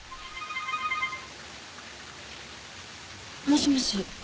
もしもし。